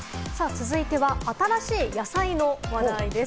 続いては新しい野菜の話題です。